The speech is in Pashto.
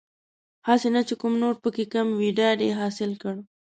هسې نه چې کوم نوټ پکې کم وي ډاډ یې حاصل کړ.